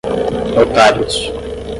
notários